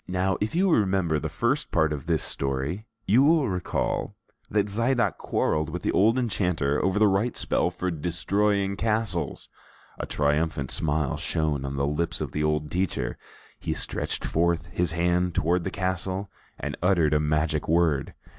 Now, if you remember the first part of this story, you will recall that Zidoc quarreled with the old enchanter over the right spell for destroying castles. A triumphant smile shone on the lips of the old teacher; he stretched forth his hand toward the castle and uttered a magic word.